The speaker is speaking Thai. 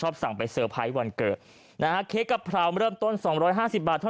เฮ้ยฟินนะคุณดู